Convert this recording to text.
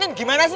ini kan bu ranti